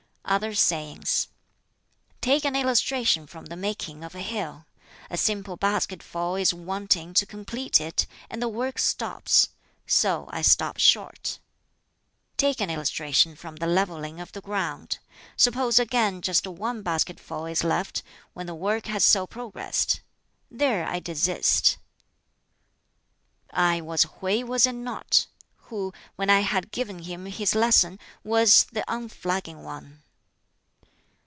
Other sayings: "Take an illustration from the making of a hill. A simple basketful is wanting to complete it, and the work stops. So I stop short. "Take an illustration from the levelling of the ground. Suppose again just one basketful is left, when the work has so progressed. There I desist! "Ah! it was Hwķi, was it not? who, when I had given him his lesson, was the unflagging one!